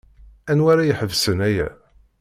Anwa ara iḥebsen aya?